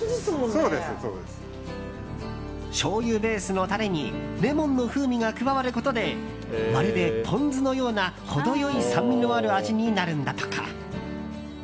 しょうゆベースのタレにレモンの風味が加わることでまるで、ポン酢のような程良い酸味のある味になるんだとか。